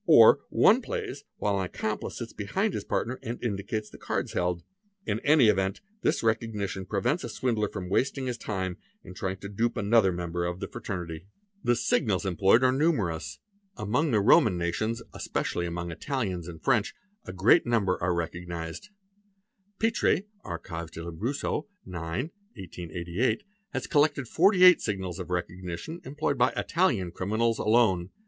Or one plays while an accomp ic sits behind his partner and indicates the cards held. In any event thi recognition prevents a swindler from wasting his time in trying to du r another member of the fraternity. 4 SIGNALS OF RECOGNITION 348 Fig. 33. | Fig. 34. The signals employed are numerous; among the Roman nations, especially among Italians and French, a ereat number are recognized, Pitre ®(" Archives de Lombroso,' 1X., 1888) has collected 48 signals of recognition employed by Italian criminals alone.